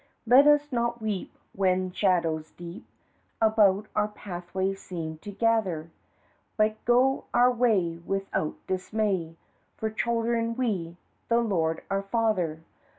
Let us not weep when shadows deep About our pathway seem to gather, But go our way, without dismay, For children we the Lord our Father.